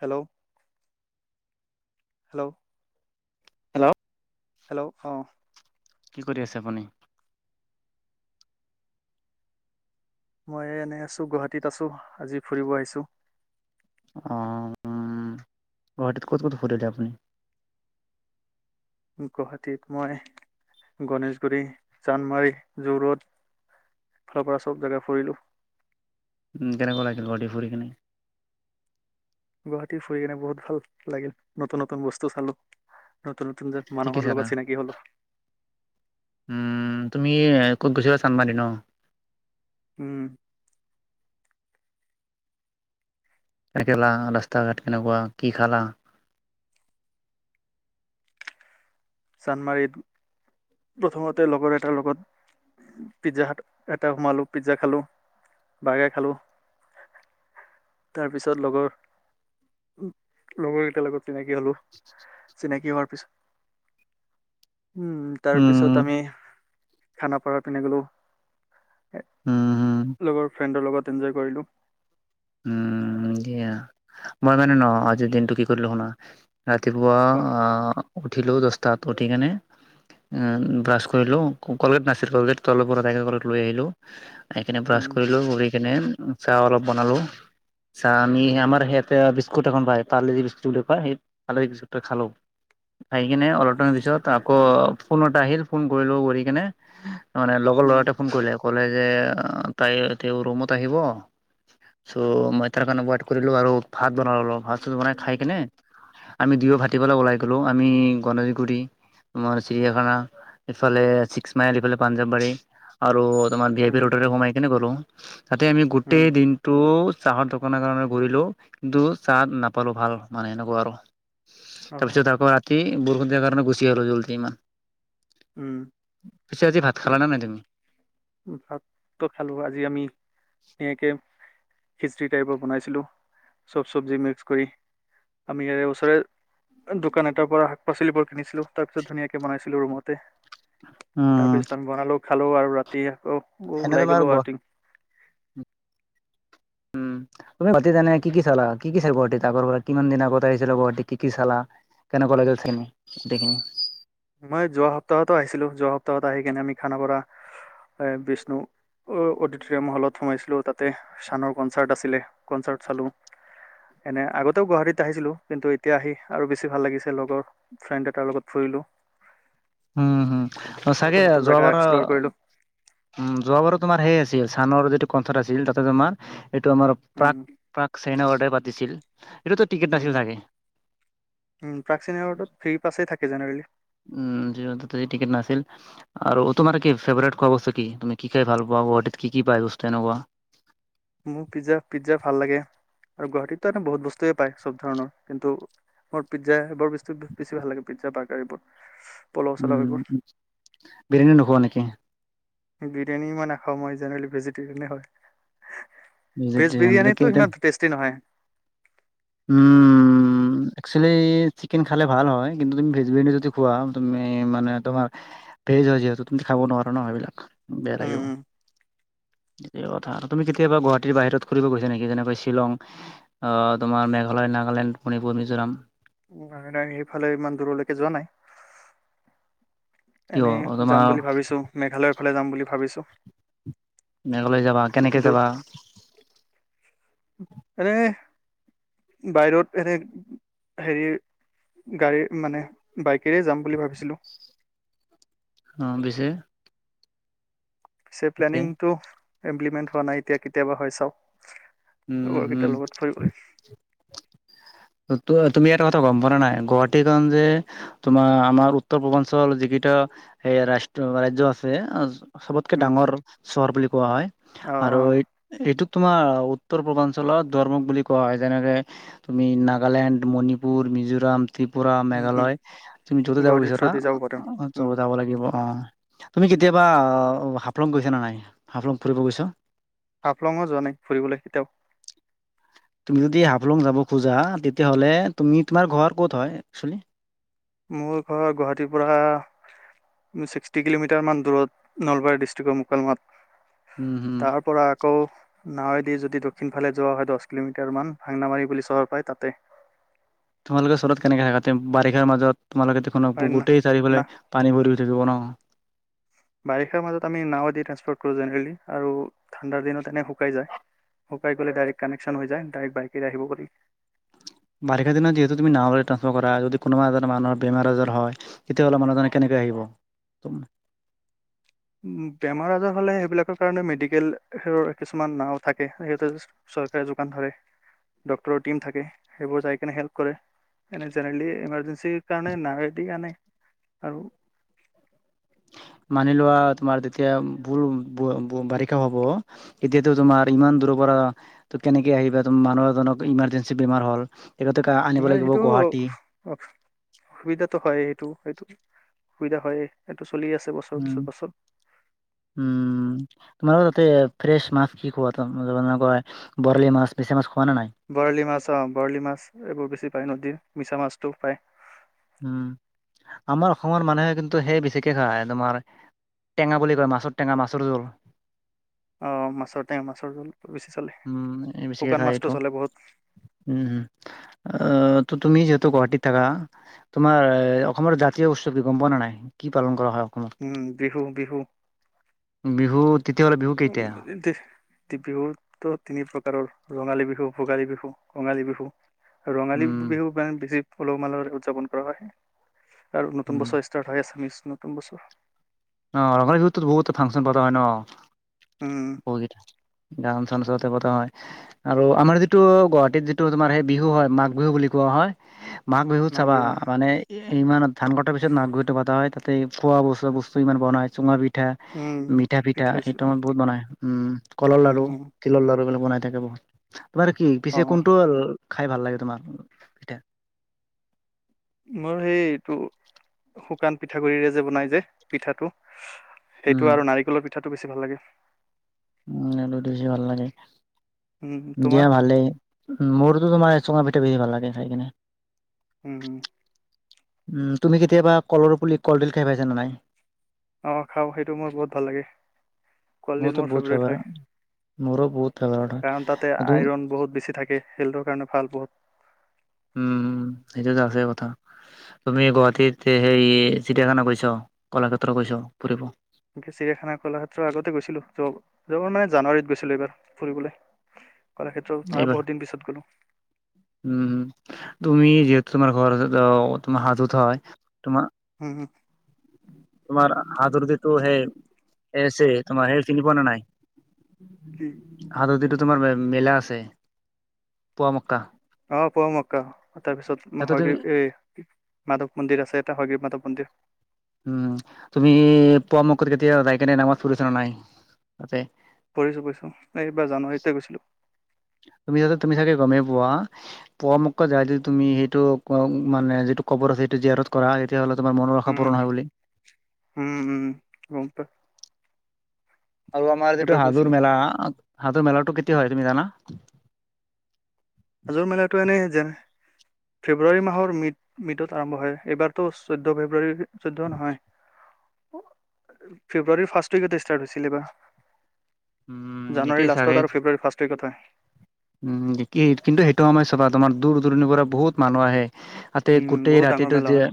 Hello hello hello hello ', অ কি কৰি আছে আপুনি মই এনেই আছো গুৱাহাটীত আছো আজি ফুৰিব আহিছো অ গুৱাহাটীত ক'ত ক'ত ফুৰিলে আপুনি গুৱাহাটীত মই গণেশগুৰি চান্দমাৰী যোৰড এফালৰ পৰা চব জেগা ফুৰিলো কেনেকুৱা লাগিল গুৱাহাটী ফুৰি কিনে? গুৱাহাটী ফুৰি কিনে বহুত ভাল লাগিল নতুন নতুন বস্তু চালো নতুন নতুন যে কি কি মানুহৰ চালা? লগত চিনাকি হলো উ তুমি ক'ত গৈছিলা চান্মাৰী ন উম একেলা ৰাস্তা ঘাট কেনেকুৱা কি খালা চান্দমাৰিত প্ৰথমতে লগৰ এটাৰ লগত পিজ্জা এটা সোমালো পিজ্জা খালো বাৰ্গাৰ খালো তাৰ পিছত লগৰ উ লগৰ কেইটাৰ লগত চিনাকি হলো চিনাকি হোৱাৰ পিছত উম তাৰ উম পিছত আমি খানাপাৰা পিনে গলো উম হম লগৰ ফ্ৰেণ্ডৰ লগত এনজয় কৰিলোঁ উম দিয়া মই মানে ন আজিৰ দিনটো কি কৰিলো শুনা কোৱা ৰাতিপুৱা উঠিলোঁ দহটাত উঠি কেনে ব্ৰাছ কৰিলোঁ কলকেট নাছিল কলকেট তলৰ পৰা তাই কলকেট লৈ আহিলোঁ আহি কিনে ব্ৰাছ উম কৰিলো কৰি কিনে চাহ অলপ বনালো চাহ আমি আমাৰ সেয়াতে বিস্কুট এখন পাই পাৰলেজি বিস্কুট বুলি কোৱা সেই পাৰলেজি বিস্কুট খালো আহি কিনে অলপ টাইম উম পিছত আকৌ ফোন এটা আহিল ফোন কৰিলো কৰি কিনে তামানে লগৰ ল'ৰা এটায়ে ফোন কৰিলে ক'লে যে তাই তেওঁ ৰুমত আহিব চ' মই তাৰ কাৰণে ৱাড কৰিলো আৰু ভাত বনালো ভাত চাত বনাই খাই কেনে আমি দুয়ো ভাটিবেলা ওলাই গলো আমি গনেশগুৰি আমাৰ চিৰিয়াখানা এইফালে ছিক্স মাইল ইফালে পাঞ্জাৱবাৰী আৰু তোমাৰ ভি আই পি উম ৰোডৰে সোমাই কেনে গ'লো তাতে আমি উম গোটেই দিন তো চাহৰ দোকানে দোকানে ঘূৰিলো কিন্তু চাহ নাপালো ভাল মানে এনেকোৱা আৰু আহ তাৰপিছত আকৌ ৰাতি বৰষুণ দিয়া কাৰণে গুচি আহিলো জলদি ইমান উম পিছে আজি ভাত খালা এতিয়া নে নাই তুমি ভাতটো খালো আজি আমি একে খিচৰি টাইপৰ বনাইছিলো চব চবজি মিক্স কৰি আমি সে ওচৰে দোকান এটাৰ পৰা শাক পাচলিবোৰ কিনিছিলো তাৰ পিছত ধুনীয়াকে বনাইছিলো ৰুমতে। তাৰ উম পিছত আমি বনালো খালো আৰু ৰাতি আকৌ এনে ওলাই তোমাৰ গ গলো ৰাতি উম [inaudible] তুমি গুৱাহাটীত এনে কি কি চালা কি কি থাকিব দেত আগৰ পৰা কিমান দিন আগত আহিছিলা গুৱাহাটী কি কি চালা কেনেকোৱা লাগিল চাইপিনে গোটেই খিনি মই যোৱা সপ্তাহতো আহিছিলো যোৱা সপ্তাহত আহি কেনে আমি খানাপাৰা এ বিষ্ণু অ অডিটৰিয়াম হলত সোমাইছিলো তাতে চানৰ কনচাৰ্ট আছিলে কনচাৰ্ট চালো এনে আগতেও গুৱাহাটীত আহিছিলো কিন্তু এতিয়া আহি আৰু বেছি ভাল লাগিছে লগৰ ফ্ৰেণ্ড এটাৰ লগত ফুৰিলো উম হম নতুন চাগে নতুন যোৱা জেগা বাৰ এক্সপ্ল'ৰ কৰিলোঁ উম যোৱা বাৰু তোমাৰ সেয়াই আছিল চানৰ যিটো কণ্ঠত আছিল, তাতে তোমাৰ এইটো আমাৰ প্ৰাক প্ৰাক চাইনাৱাডে পাতিছিল এইটোতো টিকেট নাছিল চাগে উ প্ৰাক চীনেৱাৰ্ডত ফ্ৰী পাছেই থাকে জেনেৰেলি উম যিৰন তাতে টিকেট নাছিল। আৰু তোমাৰ কি ফেভৰেট খোৱা বস্তু কি তুমি কি খাই ভাল পোৱা গুৱাহাটীত কি কি পায় বস্তু এনকোৱা মোৰ পিজ্জা পিজ্জা ভাল লাগে আৰু গুৱাহাটীততো এটো বহুত বস্তুৱে পায় চব ধৰণৰ কিন্তু, মোৰ পিজ্জা এইবোৰ বস্তুত বেছি ভাল লাগে পিজ্জা বাৰ্গাৰবোৰ। উম বিৰিয়ানী নোখোৱা নেকি? বিৰিয়ানী মই নাখাও মই জেনেৰেলি ভেজিটেৰিয়ানে হয়। ভেজ ভেজিটেৰিয়ান বিৰিয়ানীটো কেইটা সিমান টেষ্টি নহয়। উম! উম একচেলি চিকেন খালে ভাল হয় কিন্তু তুমি ভেজ বিৰিয়ানী যদি খোৱা তুমি মানে তোমাৰ ভেজ হয় যিহেতু তুমি খাব নোৱাৰ ন সেইবিলাক বেয়া উম, লাগিব। [unintelligible] তে কথা আৰু তুমি কেতিয়াবা গুৱাহাটীৰ বাহিৰত ফুৰি গৈছা নেকি যেনেকৈ শ্বিলং আহ তোমাৰ মেঘালয়, নাগালেণ্ড, মণিপুৰ, মিজোৰাম। নাই নাই সেইফালে ইমান দূৰলৈকে যোৱা নাই। কিয় এনেই যাম তোমাৰ বুলি ভাবিছো মেঘালয়ৰ ফালে যাম বুলি ভাবিছো। মেঘালয় যাবা কেনেকে দূৰ যাবা? এনে বাহিৰত এনে হেয়ি গাড়ী মানে বাইকেৰে যাম বুলি ভাবিছিলো। অ পিছে পিছে এতিয়া প্লেনিংটো ইমপ্লিমেন্ট হোৱা নাই এতিয়া কেতিয়াবা হয় চাও উম লগৰ হম কেইটাৰ লগত ফুৰিবই। ত তুমি এটা কথা গম পোৱা নে নাই গুৱাহাটীখন যে তোমাৰ আমাৰ উত্তৰ পূৰ্বাঞ্চল যিকেইটা এ ৰাষ্ট্ৰ ৰাজ্য আছে চবতকে ডাঙৰ চহৰ বুলি কোৱা হয় অ আৰু এই এইটোত তোমাৰ উত্তৰ পূৰ্বাঞ্চলত দোৱাৰমুখ বুলি কোৱা হয় যেনেকে আমি নাগালেণ্ড, মণিপুৰ, মিজোৰাম ত্ৰিপুৰা, মেঘালয় তুমি য'তে যাব গুৱাহাটীৰ বিচৰা, থ্ৰুদি যাব পাৰিম অ, ত' উম, যাব লাগিব অ। তুমি কেতিয়াবা আ হাফলং গৈছা নে নাই, হাফলং ফুৰিব গৈছ? হাফলং যোৱা নাই, ফুৰিবলৈ কেতিয়াওঁ। তুমি যদি হাফলং যাব খোজা তেতিয়াহ'লে তুমি, তোমাৰ ঘৰ ক'ত হয় একচলি? মোৰ ঘৰ গুৱাহাটীৰ পৰা ছিক্সটি কিলোমিটাৰ মান দূৰত, নলবাৰী ডিষ্ট্ৰিকৰ মোকলমোৱাত। উম হুম। তাৰ পৰা আকৌ নাৱেদি যদি দক্ষিণ ফালে যোৱা হয়, দশ কিলোমিটাৰ মান ভাংনামাৰি বুলি চহৰ পায় তাতে। তোমালোকে চহৰত কেনেকে থাকা? তে বাৰিষাৰ মাজত তোমালোকে দেখোন গোটেই পাৰি চাৰিফালে পানী ভৰি থাকিব ন। বাৰিষাৰ মাজত আমি নাওৱেদি ট্ৰেসফৰ্ট কৰো জেনেৰেলি আৰু ঠাণ্ডাৰ দিনত এনে শুকাই যায়। শুকাই গ'লে ডাইৰেক্ট কানেকশ্বন হৈ যায়। ডাইৰেক্ট বাইকেৰে আহিব পাৰি। বাৰিষা দিনত যিহেতু তুমি নাৱলৈ ট্ৰান্সফাৰ কৰা, যদি কোনোবা এজন মানুহ বেমাৰ আজাৰ হয়। তেতিয়াহ'লে মানুহজনে কেনেকে আহিব? বেমাৰ আজাৰ হ'লে সেইবিলাকৰ কাৰণে মেডিকেলৰ কিছুমান নাওঁ থাকে। সেইহতে চৰকাৰে যোগান ধৰে। ডক্টৰৰ টিম থাকে, সেইবোৰ যাই কেনে হেল্প কৰে। এনে জেনেৰলি ইমাৰ্জেঞ্চি সেইকাৰণে নাৱেদি আনে আৰু মানি লোৱা তোমাৰ তেতিয়া বহু ব ব বাৰিষা হ'ব। এতিয়াতো তোমাৰ ইমান দূৰৰ পৰা ত কেনেকে আহিবা? ত মানুহ এজনক ইমাৰ্জেঞ্চি বেমাৰ হ'ল। তেখেতকে আনিব লাগিব গুৱাহাটী। অ, সুবিধাটো হয় এইটো, এইটো সুবিধা হয়েই, এইটো চলি আছে। এবছৰ উম পিছত বাছত উম! তোমালোকৰ তাতে ফ্ৰেছ মাছ কি খোৱা? বৰালি মাছ, মিছা মাছ খোৱা নে নাই? বৰালি মাছ অ, বৰালি মাছ এইবোৰ বেছি পায় নদীৰ। মিছা মাছটো পায়। উম' আমাৰ অসমৰ মানুহে কিন্তু সেই বেছিকে খায় তোমাৰ টেঙা বুলি কয় মাছৰ টেঙা, মাছৰ জোল। অ, মাছৰ টেঙা, মাছৰ জোল বেছি চলে, উম বেছিকে শুকান খায় এইটো মাছটো চলে বহুত। উম' আহ, ত তুমি যিহেতু গুৱাহাটীত থাকা তোমাৰ এ অসমৰ জাতীয় উৎসৱ কি গম পোৱা নে নাই? কি পালন কৰা হয় অসমত? উম' বিহু-বিহু। বিহু, তেতিয়াহ'লে বিহু কেইটা? দে বিহুতো তিনি প্ৰকাৰৰ ৰঙালী বিহু, ভোগালী বিহু, কঙালী বিহু। ৰঙালী উম, বিহু মানে বেছি উলহ-মালহৰে উদযাপন কৰা হয় আৰু নতুন উম। বছৰ ষ্টাৰ্ট হয় আছামিছ নতুন বছৰ। অ, ৰঙালী বিহুতো বহুতে ফাংচন পতা হয় ন। উম' ক গান-চান আচলতে পতা হয়। আৰু আমাৰ যিটো গুৱাহাটীত যিটো তোমাৰ সেই বিহু হয়, মাঘ বিহু বুলি কোৱা হয়। মাঘ বিহুত চাবা মানে ইমান ধান কটাৰ পিছত মাঘ বিহুতো পাতা হয়। তাতে খোৱা বস্তু-বস্তু ইমান বনাই চুঙা পিঠা, উম মিঠা পিঠা সেইটো চিঠা টাইমত বহুত বনাই। উম' নাৰিকলৰ লাৰু উম তিলৰ লাৰুবিলাক বনাই থাকে বহুত। তোমাৰ কি অ পিছে কোনটো আৰু খাই ভাল লাগে তোমাৰ? পিঠা? মোৰ সেইটো শুকান পিঠাগুড়িৰে যে বনাই যে পিঠাটো উম, সেইটো আৰু নাৰিকলৰ পিঠাটো বেছি ভাল লাগে। অ, সেইটো বেছি ভাল লাগে। উম দিয়া তোমাৰ ভালেই। উম' মোৰটো তোমাৰ এ চুঙা পিঠা বেছি ভাল লাগে খাই কিনে। উম' হুম'। উম তুমি কেতিয়াবা কলৰ পুলি কলডিল খাই পাইছা নে নাই। অঁ খাওঁ সেইটো মোৰ বহুত ভাল লাগে কলডিল মোৰতো মোৰ বহুত ফেভেৰেট ফেভাৰেট, হয়। মোৰো বহুত ফেভাৰেট হয়। কাৰণ তাতে আইৰণ বহুত বেছি থাকে হেল্টৰ কাৰণে ভাল বহুত, উম সেইটোতো আছে কথা। তুমি গুৱাহাটীত সেই চিৰিয়াখানা গৈছ কলাক্ষেত্ৰ গৈছ ফুৰিব। এ চৰিয়াখানা কলাক্ষেতৰ আগতে গৈছিলোঁ য যোৰ মানে জানুৱাৰীত গৈছিলো এইবাৰ ফুৰিবলৈ কলা ক্ষেত্ৰত ত এইবাৰ? বহুত দিন পিছত গলো। উম তুমি যিহেতু তোমাৰ ঘৰ তোমাৰ হাজোত হয় তোমাৰ, হম হো, তোমাৰ হাতৰ দিতটো সেই। এছি তোমাৰ সেই চিনি পোৱা নে নাই। কি, আৰু যিটো তোমাৰ মেলা আছে পুৱা মক্কা। অ পৰমক্কা তাতে তাৰপিছ তুমি এই মাধৱ মন্দিৰ আছে এ হয়গিৰ মাধৱ মন্দিৰ, উম তুমি পোৱা মক্কি কেতিয়া যায় কিনি নামাজ পঢ়িছা নাই তাতে। পঢ়িছো পঢ়িছো এইবাৰ জানুৱাৰীতে গৈছিলোঁ। তুমি যাতে তুমি চাগে গমেই পোৱা। পোৱা মক্কা যায়টো তুমি সেইটো মানে যিটো কবৰ আছে সেইটো জেত, কৰা তেতিয়াহ'লে তোমাৰ মনৰ আশা পূৰণ হয় উম বুলি। উম উম গম ত, আৰু আমাৰ যিটো এবাৰ হাজোৰ গৈছিলো মেলা হাজোৰ মেলাটো কেতিয়া হয় তুমি জানা। হাজোৰ মেলাটো এনেই যেন, ফেব্ৰুৱাৰী মাহৰ মিড মিডত আৰম্ভ হয় এইবাৰতো চৈধ্য ফেব্ৰুৱাৰী, চৈধ্য নহয় ফেব্ৰুৱাৰী ফাৰ্ষ্ট উইকটে ষ্টাৰ্ট হৈছিলে এই‌ বা, উম জানুৱাৰী এতিয়াই চাগে লাষ্টত আৰু ফেব্ৰুৱাৰী ফাৰ্ষ্টে ওইকতে, উম একেই কিন্তু সেইটো আমাৰ চাবা তোমাৰ দূৰ দূৰণিৰ পৰা বহুত মানুহ আহে। তাতে উম গোটেই বহুত ডাঙৰ ৰাতিটো মেলা যে, হয়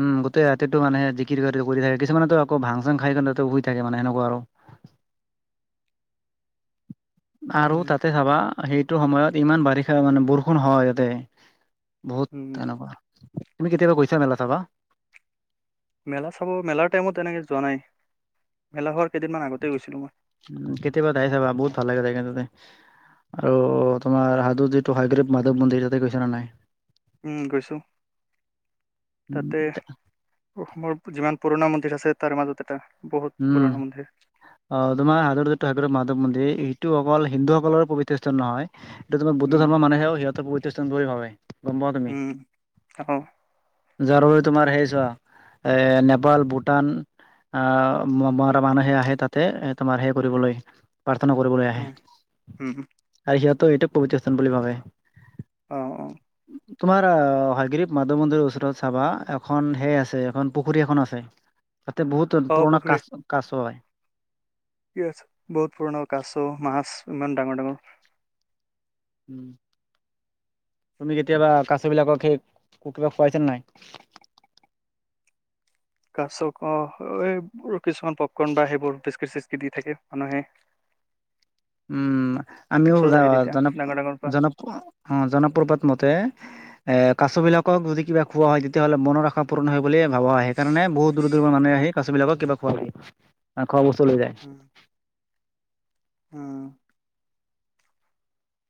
উম গোটেই ৰাতিটো মানে জিকিৰ কৰি থাকে কিছুমানেত আকৌ ভাং চং খাইয়ে তহঁতে শুই থাকেমানে সেনেকুৱা আৰু [inaudible] আৰু উম তাতে চাবা সেইটো সময়ত ইমান বাৰিষা মানে বৰষুণ হয় তাতে, উম বহুত তেনেকুৱা তুমি কেতিয়াবা গৈছা মেলা চাবা। মেলা চাব মেলাৰ টাইমত তেনেকে যোৱা নাই মেলা হোৱাৰ কেইদিনমান আগতেই গৈছিলোঁ মই। উম কেতিয়াবা যায় চাবা বহুত ভাল লাগে যায় কিনে তাতে। আৰু তোমাৰ হজোত যিটো হাইগ্ৰিব মাধৱ মন্দিৰ তাতে গৈছা নে নাই। উম গৈছো উম তাতে, অসমৰ যিমান পুৰণা মন্দিৰ আছে তাৰ মাজত এটা বহুত পুৰণা মন্দিৰ। অহ তোমাৰ আগৰ যিতো হাগ্ৰৱ মাধৱ মন্দিৰ সিটো অকল হিন্দুসকলৰ পৱিত্ৰ স্থান নহয়। এইটো তোমাৰ বুদ্ধ উম ধৰ্মৰ মানুহে সিহঁতৰ প্ৰৱিএ স্থান বুলি ভাবে গম পাওঁ তুমি। উম অ যাৰ বাবে তোমাৰ সেইছোৱা এ নেপাল ভূটান অহ ম ম মৰা মানুহে আহে তাতে এ তোমাৰ সেৱা কৰিবলৈ। প্ৰাৰ্থনা কৰিবলৈ আহে উম উম আৰু সিহঁতও এইটো পৱিত্ৰ স্থান বুলি ভাৱে। অহ অহ, তোমাৰ অহ হৈগ্ৰৰি মাধৱ মন্দিৰৰ ওচৰত চাবা এখন সেই আছে এখন পুখুৰী এখন আছে। তাতে বহুত অ পুৰণা পুখুৰী কাছ কাছ হয়। কি আছে বহুত পুৰণা কাছ মাছ ইমান ডাঙৰ ডাঙৰ, তুমি কেতিয়াবা কাছবিলাকক সেই কিবা খুৱাইছো নাই। কাছ অহ এই কিছুমান পপকৰ্ন বা সেইবোৰ বিস্কুকিত চিচকি দি থাকে মানুহে। উম আমিও ওচৰত যাওঁ আহে তেতিয়া জন ডাঙৰ ডাঙৰ পৰা জন অহ জনপ্ৰবাট মতে এ কাছ বিলাকক যদি কিবা খোৱা হয় তেতিয়াহ'লে মনৰ আশা পূৰ পূৰণ হয় বুলি ভাবা হয় সেইকাৰণে বহুত দূৰ দূৰ মানুহে আহি কাছ বিলাকক কিবা খোৱা সি, অ, খোৱা বস্তু লৈ উম যায়। উম,